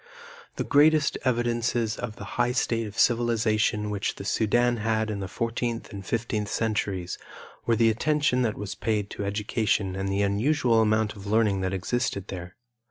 The greatest evidences of the high state of civilization which the Sudan had in the fourteenth and fifteenth centuries were the attention that was paid to education and the unusual amount of learning that existed there.